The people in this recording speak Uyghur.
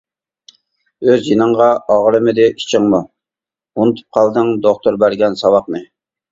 ئۆز جېنىڭغا ئاغرىمىدى ئىچىڭمۇ، ئۇنتۇپ قالدىڭ دوختۇر بەرگەن ساۋاقنى.